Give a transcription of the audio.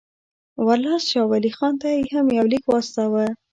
ورلسټ شاه ولي خان ته هم یو لیک واستاوه.